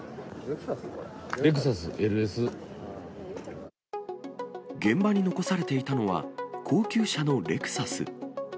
レクサス、現場に残されていたのは、高級車のレクサス。